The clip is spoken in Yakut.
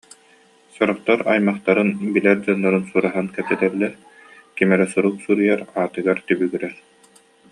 Сорохтор аймахтарын, билэр дьоннорун сураһан кэпсэтэллэр, ким эрэ сурук суруйар аатыгар түбүгүрэр